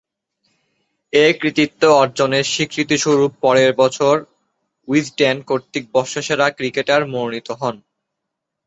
এ কৃতিত্ব অর্জনের স্বীকৃতিস্বরূপ পরের বছর উইজডেন কর্তৃক বর্ষসেরা ক্রিকেটার মনোনীত হন।